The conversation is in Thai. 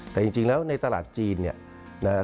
แต่จริงแล้วในตลาดจีน